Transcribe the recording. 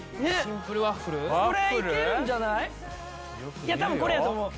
いや多分これやと思う。